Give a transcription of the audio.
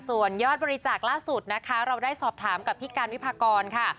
ส่วนยอดบริจาคล่าสุดนะคะเราได้สอบถามกับพี่การวิพากรค่ะ